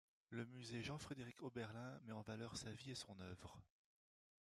Le musée Jean-Frédéric-Oberlin met en valeur sa vie et son œuvre.